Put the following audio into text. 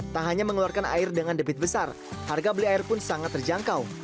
tak hanya mengeluarkan air dengan debit besar harga beli air pun sangat terjangkau